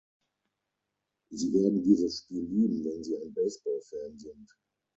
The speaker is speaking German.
Sie werden dieses Spiel lieben, wenn Sie ein Baseball-Fan sind.